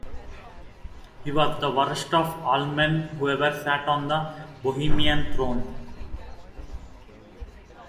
He was the worst of all men who ever sat on the Bohemian throne.